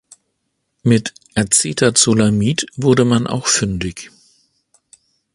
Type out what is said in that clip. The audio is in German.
Mit Acetazolamid wurde man auch fündig.